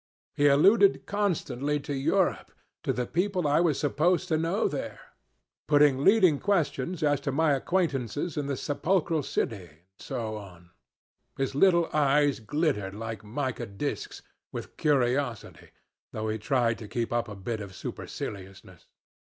He alluded constantly to Europe, to the people I was supposed to know there putting leading questions as to my acquaintances in the sepulchral city, and so on. His little eyes glittered like mica discs with curiosity, though he tried to keep up a bit of superciliousness.